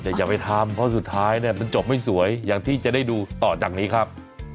แต่อย่าไปทำเพราะสุดท้ายเนี่ยมันจบไม่สวยอย่างที่จะได้ดูต่อจากนี้ครับ